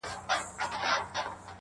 شرمنده یې کړ پاچا تر جنرالانو!!